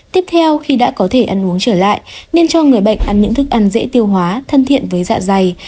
tiếp theo khi đã có thể ăn uống trở lại nên cho người bệnh ăn những thức ăn dễ tiêu hóa thân thiện với dạ dày